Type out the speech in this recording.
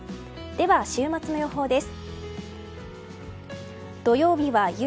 では、週末の予報です。